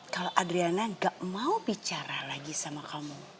kalau adriana gak mau bicara lagi sama kamu